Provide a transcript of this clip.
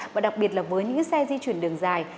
và đặc biệt là với những xe di chuyển đường dài